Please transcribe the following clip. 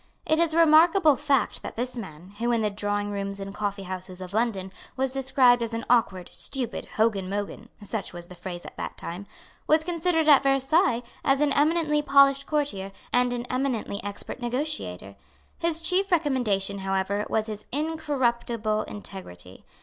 It is a remarkable fact that this man, who in the drawingrooms and coffeehouses of London was described as an awkward, stupid, Hogan Mogan, such was the phrase at that time, was considered at Versailles as an eminently polished courtier and an eminently expert negotiator. His chief recommendation however was his incorruptible integrity.